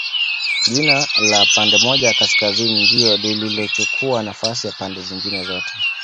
Jina la pande moja ya Kaskazini ndio lililochukua nafasi ya pande zingine zote